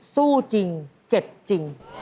สู้จริงเจ็บจริง